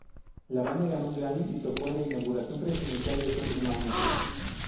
La banda ganó un Grammy y tocó en la inauguración presidencial ese mismo año.